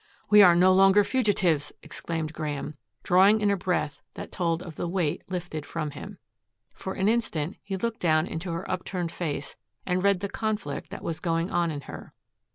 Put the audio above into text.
"We are no longer fugitives!" exclaimed Graeme, drawing in a breath that told of the weight lifted from him. For an instant he looked down into her upturned face and read the conflict that was going on in her.